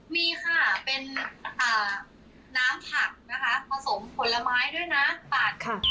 มีค่ะเป็นน้ำผักนะคะผสมผลไม้ด้วยนะปาดค่ะ